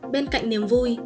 bên cạnh niềm vui